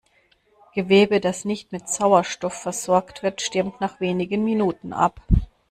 Gewebe, das nicht mit Sauerstoff versorgt wird, stirbt nach wenigen Minuten ab.